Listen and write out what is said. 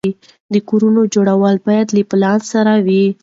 د کورونو جوړول باید له پلان سره وي.